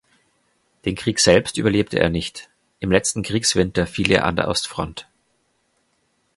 Den Krieg selbst überlebte er nicht; im letzten Kriegswinter fiel er an der Ostfront.